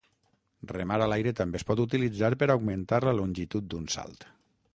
Remar a l'aire també es pot utilitzar per augmentar la longitud d'un salt.